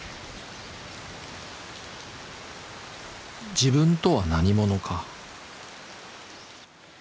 自分とは何者か？